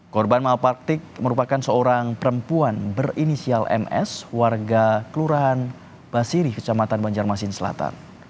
korban malpraktik merupakan seorang perempuan berinisial ms warga kelurahan basiri kecamatan banjarmasin selatan